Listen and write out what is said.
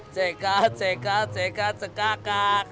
cekak cekak cekak cekakak